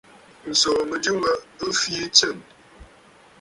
Ǹsòò mɨjɨ wa ɨ fii tsɨ̂ŋ.